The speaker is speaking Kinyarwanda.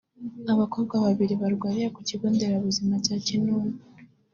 Abakobwa babiri barwariye ku kigo nderabuzima cya Kinunu